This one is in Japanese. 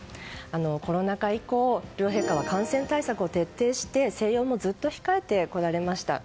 コロナ禍以降、両陛下は感染対策を徹底して静養もずっと控えてこられました。